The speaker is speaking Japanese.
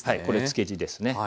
これつけ地ですね。